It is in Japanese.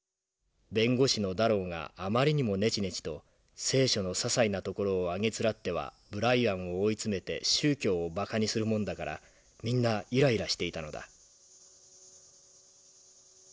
弁護士のダロウがあまりにもねちねちと『聖書』のささいなところをあげつらってはブライアンを追い詰めて宗教をバカにするもんだからみんなイライラしていたのだ」。